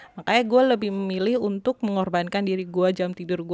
makanya gue lebih memilih untuk mengorbankan diri gue jam tidur gue